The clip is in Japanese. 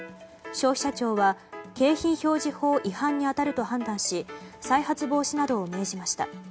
消費者庁は景品表示法違反に当たると判断し再発防止などを命じました。